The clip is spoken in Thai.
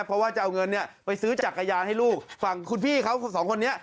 เพราะว่าจะเอาเงินเนี่ยไปซื้อจักรยานให้ลูกฝั่งคุณพี่เขาสองคนนี้